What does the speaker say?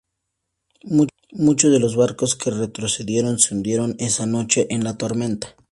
Muchos de los barcos que retrocedieron se hundieron esa noche en la tormenta.